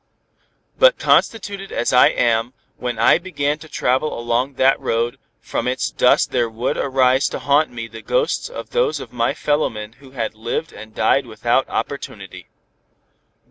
But constituted as I am, when I began to travel along that road, from its dust there would arise to haunt me the ghosts of those of my fellowmen who had lived and died without opportunity.